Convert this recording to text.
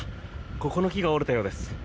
ここの木が折れたようです。